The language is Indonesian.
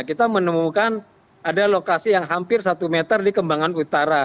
kita menemukan ada lokasi yang hampir satu meter di kembangan utara